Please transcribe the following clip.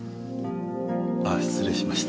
ああ失礼しました。